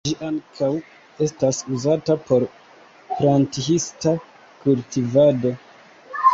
Ĝi ankaŭ estas uzata por planthista kultivado.